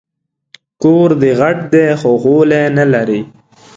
کور دي غټ دی خو غولی نه لري